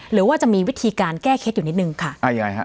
หรือว่าจะมีวิธีการแก้เคล็ดอยู่นิดนึงค่ะอ่ายังไงฮะ